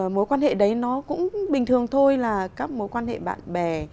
mối quan hệ đấy nó cũng bình thường thôi là các mối quan hệ bạn bè